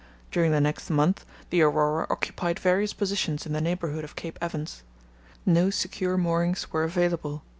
During the next month the Aurora occupied various positions in the neighbourhood of Cape Evans. No secure moorings were available.